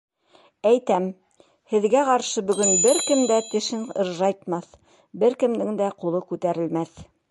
— Әйтәм: һеҙгә ҡаршы бөгөн бер кем дә тешен ыржайтмаҫ, бер кемдең дә ҡулы күтәрелмәҫ.